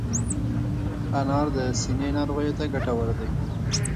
انار د سینې ناروغیو ته ګټور دی.